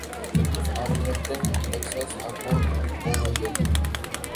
Arlington Texas Akron Ohio